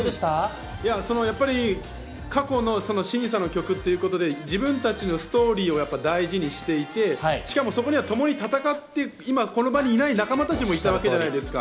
過去の審査の曲ということで、自分たちのストーリーを大事にしていてしかも共に戦って、今この場にいない仲間たちもいたわけじゃないですか。